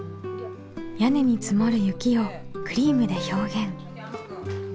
屋根に積もる雪をクリームで表現。